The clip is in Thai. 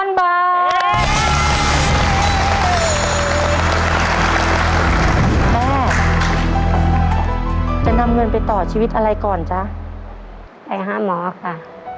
แม่จะนำเงินไปต่อชีวิตอะไรก่อนจ๊ะไปหาหมอค่ะ